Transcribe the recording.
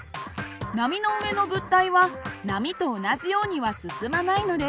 波の上の物体は波と同じようには進まないのです。